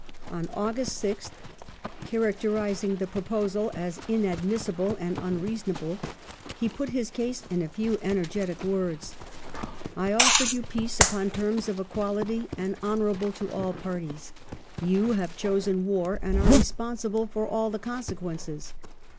On August 6th, characterising the proposal as inadmissible and unreasonable, he put his case in a few energetic words — "I oflFered you peace upon terms of equality and honourable to all parties ; you have chosen war and are responsible for all the consequences."